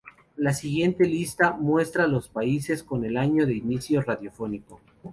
La siguiente lista muestra los países, con el año de inicio radiofónico.